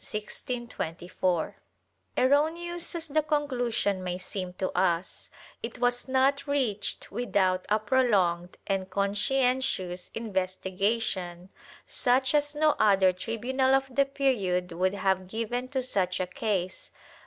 ^ Erroneous as the conclusion may seem to us, it was not reached without a prolonged and conscientious investigation, such as no other tri bunal of the period would have given to such a case, though the ' MSS.